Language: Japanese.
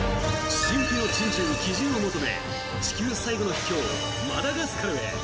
神秘の珍獣・奇獣を求め地球最後の秘境マダガスカルへ。